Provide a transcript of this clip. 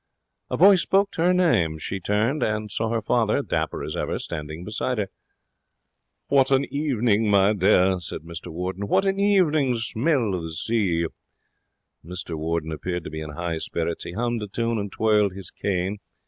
A voice spoke her name. She turned, and saw her father, dapper as ever, standing beside her. 'What an evening, my dear!' said Mr Warden. 'What an evening! Smell the sea!' Mr Warden appeared to be in high spirits. He hummed a tune and twirled his cane.